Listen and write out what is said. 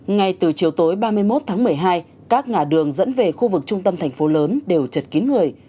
ngay từ chiều tối ba mươi một tháng một mươi hai các ngã đường dẫn về khu vực trung tâm thành phố lớn đều chật kín người